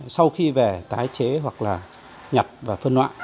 sau khi về tái chế hoặc là nhặt và phân loại